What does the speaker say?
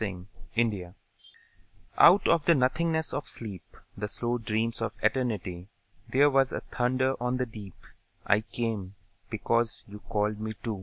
The Call Out of the nothingness of sleep, The slow dreams of Eternity, There was a thunder on the deep: I came, because you called to me.